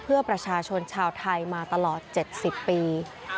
เพื่อประชาชนชาวไทยมาตลอด๗๐ปี